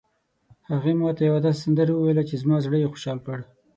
هغې ما ته یوه داسې سندره وویله چې زما زړه یې خوشحال کړ